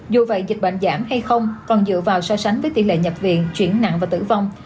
dù vậy dịch bệnh giảm hay không còn dựa vào so sánh với tỷ lệ nhập viện chuyển nặng và tử vong